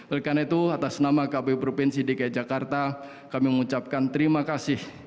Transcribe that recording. oleh karena itu atas nama kpu provinsi dki jakarta kami mengucapkan terima kasih